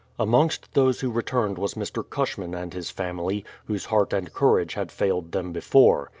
Amongst those who returned was Mr. Cushraan and his family, whose heart and courage had failed them before.